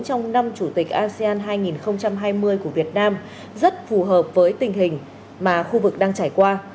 trong năm chủ tịch asean hai nghìn hai mươi của việt nam rất phù hợp với tình hình mà khu vực đang trải qua